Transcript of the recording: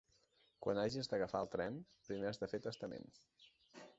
Quan hagis d'agafar el tren, primer has de fer testament.